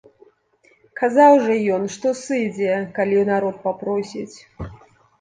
Казаў жа ён, што сыдзе, калі народ папросіць?